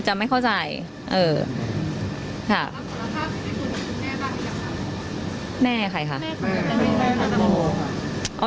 จะไม่เข้าใจค่ะแม่ใครค่ะ